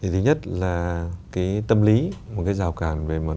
thứ nhất là tâm lý một rào cản về mặt